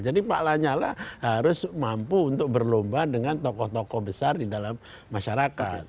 jadi pak nyala harus mampu untuk berlomba dengan tokoh tokoh besar di dalam masyarakat